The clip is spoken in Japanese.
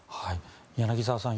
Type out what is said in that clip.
柳澤さん